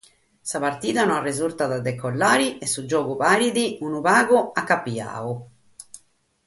Sa partida non resurtat a decollare e su giogu paret agigu ligadu.